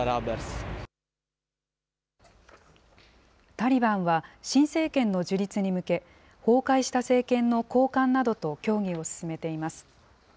タリバンは新政権の樹立に向け、崩壊した政権の高官などと協議を進めています。